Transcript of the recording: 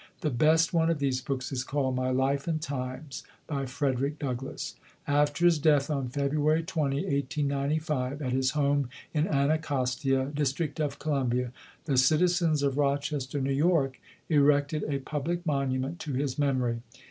The best one of these books is called "My Life and Times, by Frederick Douglass". After his death on February 20, 1895, at his home in Anacostia, Dis trict of Columbia, the citizens of Rochester, New York, erected a public monument to his memory.